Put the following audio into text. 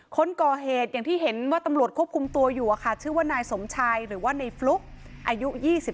คนก่อเหตุที่เห็นที่ตำรวจควบคุมตัวอยู่ชื่อนายสมชายหรือว่าในฟลุกอายุ๒๔